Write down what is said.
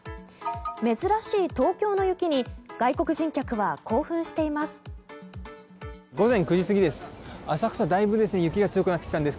珍しい東京の雪に外国人客は興奮しています。